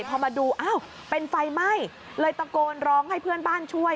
พอมาดูอ้าวเป็นไฟไหม้เลยตะโกนร้องให้เพื่อนบ้านช่วย